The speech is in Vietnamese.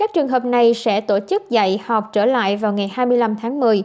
trường hợp này sẽ tổ chức dạy học trở lại vào ngày hai mươi năm tháng một mươi